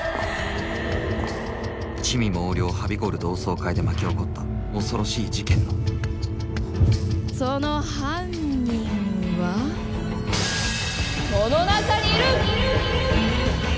魑魅魍魎はびこる同窓会で巻き起こった恐ろしい事件のその犯人はこの中にいる！